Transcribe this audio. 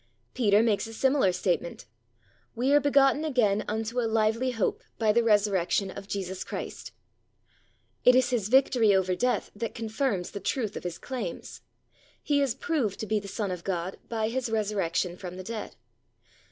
Peter makes a similar statement: "We are begotten again unto a lively hope by the resurrection of Jesus Christ." It is His victory over death that confirms the truth of His claims. He is proved to be the Son of God by His resurrection from the dead.